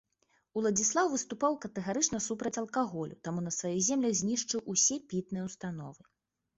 Уладзіслаў выступаў катэгарычна супраць алкаголю, таму на сваіх землях знішчыў усе пітныя ўстановы.